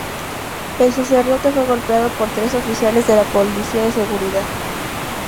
El sacerdote fue golpeado por tres oficiales de la policía de seguridad.